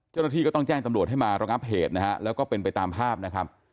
เจ้าหน้าที่ก็ต้องแจ้งตำรวจให้มาระงับเหตุนะฮะแล้วก็เป็นไปตามภาพนะครับ